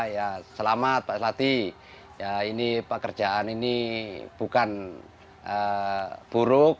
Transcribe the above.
ya selamat pak selati ya ini pekerjaan ini bukan buruk